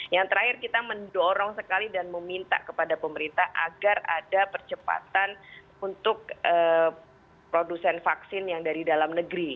yang terakhir kita mendorong sekali dan meminta kepada pemerintah agar ada percepatan untuk produsen vaksin yang dari dalam negeri